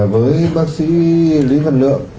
với bác sĩ lý văn lượng